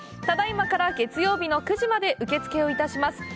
ただいまから月曜日の９時まで受付をいたします。